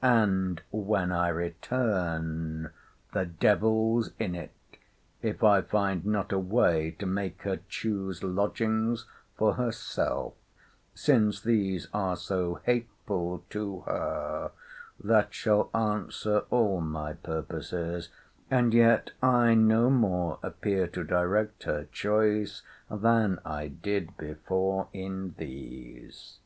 —And when I return, the devil's in it if I find not a way to make her choose lodgings for herself, (since these are so hateful to her,) that shall answer all my purposes; and yet I no more appear to direct her choice, than I did before in these.